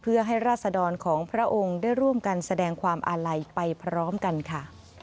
เพื่อให้ราศดรของพระองค์ได้ร่วมกันแสดงความอาลัยไปพร้อมกันค่ะ